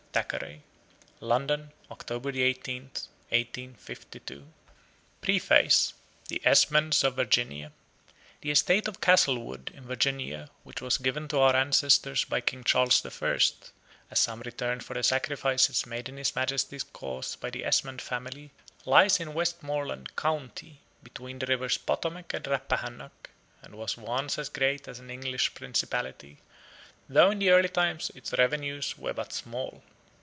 THACKERAY. LONDON, October 18, 1852. PREFACE. THE ESMONDS OF VIRGINIA. The estate of Castlewood, in Virginia, which was given to our ancestors by King Charles the First, as some return for the sacrifices made in his Majesty's cause by the Esmond family, lies in Westmoreland county, between the rivers Potomac and Rappahannock, and was once as great as an English Principality, though in the early times its revenues were but small.